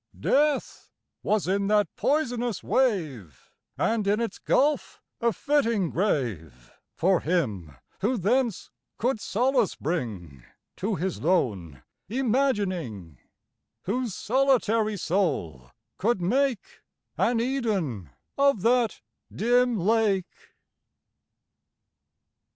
Death was in that poisonous wave, And in its gulf a fitting grave For him who thence could solace bring To his lone imagining— Whose solitary soul could make An Eden of that dim lake.